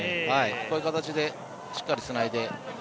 こういう形でしっかりつないで。